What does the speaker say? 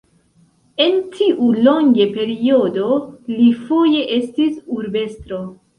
En tiu longe periodo li foje estis urbestro.